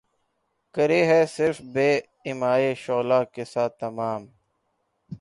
کرے ہے صِرف بہ ایمائے شعلہ قصہ تمام